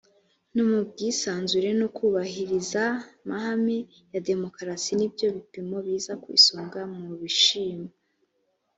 no mu bwisanzure no kubahirizaamahame ya demokarasi nibyo bipimo biza ku isonga mu bishimwa